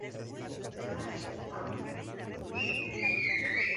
Su primo segundo es el fallecido pintor Adam Cullen.